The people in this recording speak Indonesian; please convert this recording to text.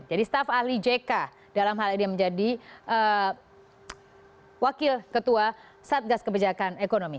jadi staff ahli jk dalam hal ini menjadi wakil ketua satgas kebijakan ekonomi